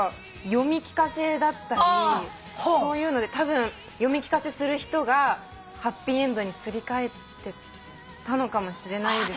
読み聞かせだったりそういうのでたぶん読み聞かせする人がハッピーエンドにすり替えてたのかもしれない。